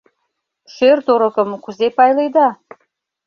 — Шӧр-торыкым кузе пайледа?